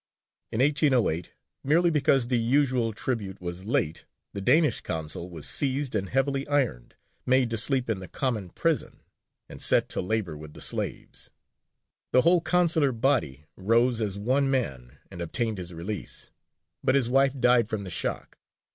In 1808, merely because the usual tribute was late, the Danish consul was seized and heavily ironed, made to sleep in the common prison, and set to labour with the slaves. The whole consular body rose as one man and obtained his release, but his wife died from the shock.